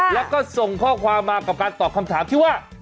แล้วก็ส่งข้อความมากับการตอบคำถามที่ว่า